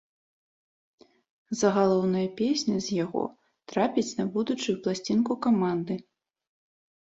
Загалоўная песня з яго трапіць на будучую пласцінку каманды.